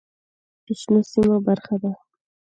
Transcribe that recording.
• غونډۍ د شنو سیمو برخه ده.